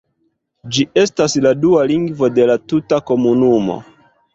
Ĝi estas la dua lingvo de la tuta komunumo.